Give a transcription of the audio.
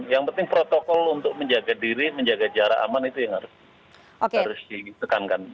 yang penting protokol untuk menjaga diri menjaga jarak aman itu yang harus ditekankan